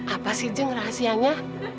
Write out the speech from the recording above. apa sih jeng rahasianya